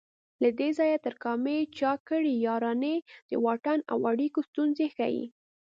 له دې ځای تر کامې چا کړي یارانې د واټن او اړیکو ستونزې ښيي